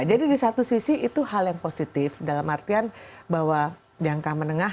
jadi di satu sisi itu hal yang positif dalam artian bahwa jangka menengah